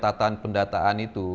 dari catatan pendataan itu